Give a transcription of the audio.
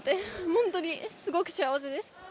本当にすごく幸せです。